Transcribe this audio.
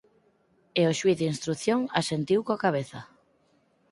E o xuíz de instrución asentiu coa cabeza.